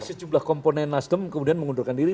sejumlah komponen nasdem kemudian mengundurkan diri